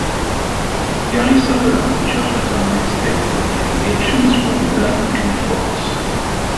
Gary Soter, a church attorney, stated that the allegations were blatantly false.